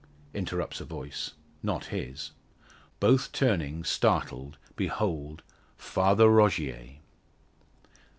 interrupts a voice not his. Both turning, startled, behold Father Rogier!